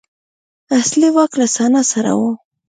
اصلي واک له سنا سره و